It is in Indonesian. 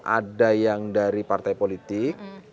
ada yang dari partai politik